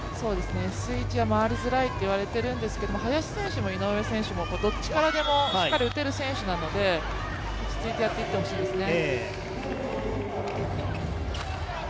Ｓ１は回りづらいといわれているんですけど林選手も井上選手もどっちからでもしっかり打てる選手なので落ち着いてやっていってほしいですね。